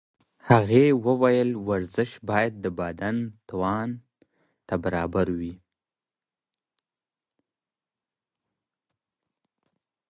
هغې وویل ورزش باید د بدن توان ته برابر وي.